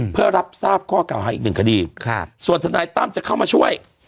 เพื่อรับทราบข้อเก่าฮะอีก๑คดีส่วนทนต้ำจะเข้ามาช่วย